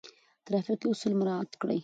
ترافيکي اصول مراعات کړئ.